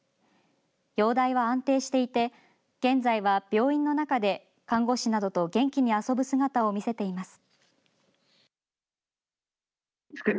容体は安定していて現在は病院の中で看護師などと元気に遊ぶ姿を見せています。